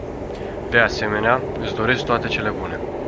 De asemenea, îi doresc toate cele bune.